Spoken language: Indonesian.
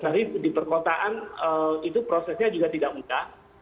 tapi di perkotaan itu prosesnya juga tidak mudah